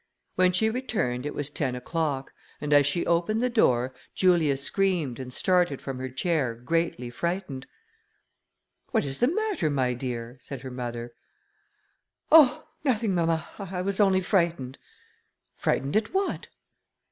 When she returned, it was ten o'clock, and as she opened the door, Julia screamed and started from her chair greatly frightened. "What is the matter, my dear?" said her mother. "Oh! nothing, mamma, I was only frightened." "Frightened at what?"